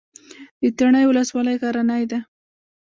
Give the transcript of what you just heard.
د تڼیو ولسوالۍ غرنۍ ده